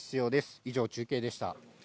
以上、中継でした。